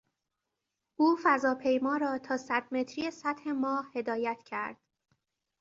او فضاپیما را تا صدمتری سطح ماه هدایت کرد.